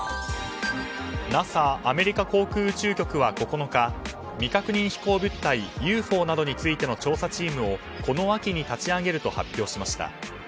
ＮＡＳＡ・アメリカ航空宇宙局は９日、未確認飛行物体・ＵＦＯなどについての調査チームをこの秋に立ち上げると発表しました。